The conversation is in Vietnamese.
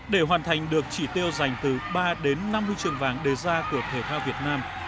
để hoàn thành được chỉ tiêu giành từ ba đến năm huy chương vàng đề ra của thể thao việt nam